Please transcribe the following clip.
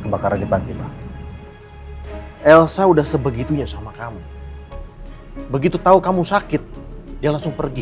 pembakaran tiba tiba elsa udah sebegitunya sama kamu begitu tahu kamu sakit dia langsung pergi